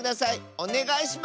おねがいします！